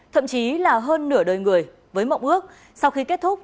thậm chí là hơn nửa đời người với mộng ước sau khi kết thúc